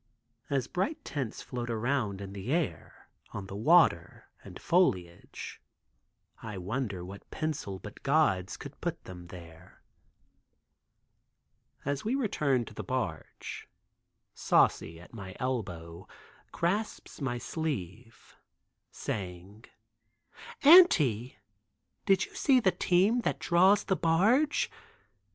As bright tints float around in the air, on the water, and foliage, I wonder what pencil but God's could put them there. As we return to the barge Saucy at my elbow grasps my sleeve, saying, "Auntie, did you see the team that draws the barge?